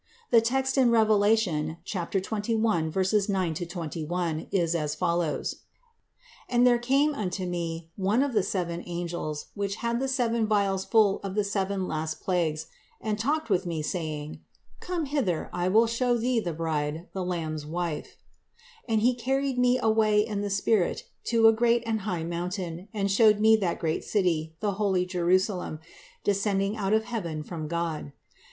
The text in Revelation (xxi, 9 21) is as follows: And there came unto me one of the seven angels which had the seven vials full of the seven last plagues, and talked with me, saying, Come hither, I will show thee the bride, the Lamb's wife: And he carried me away in the spirit to a great and high mountain, and showed me that great city, the holy Jerusalem, descending out of heaven from God.